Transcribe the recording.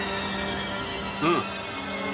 うん。